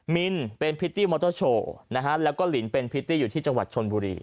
มินเป็นพริตตี้มอเตอร์โชว์นะฮะแล้วก็ลินเป็นพริตตี้อยู่ที่จังหวัดชนบุรี